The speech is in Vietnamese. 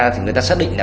thì người ta xác định